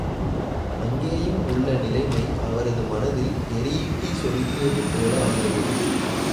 அங்கேயும் உள்ள நிலைமை அவரது மனதில் எரியீட்டி சொருகியது போல ஆனது.